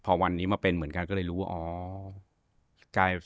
พอวันนี้มาเป็นเหมือนกันก็เลยรู้ว่าอ๋อ